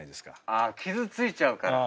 あ傷ついちゃうから。